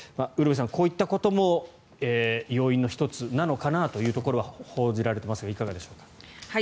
ウルヴェさん、こういったことも要因の１つなのかなというところは報じられていますがいかがでしょうか？